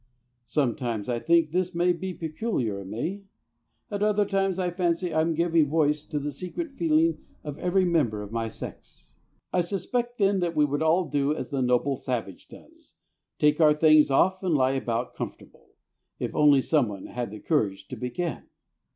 Sometimes I think this may be peculiar in me. At other times I fancy I am giving voice to the secret feeling of every member of my sex. I suspect, then, that we would all do as the noble savage does, take our things off and lie about comfortable, if only someone had the courage to begin.